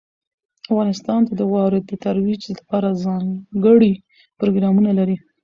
افغانستان د واورې د ترویج لپاره ځانګړي پروګرامونه لري.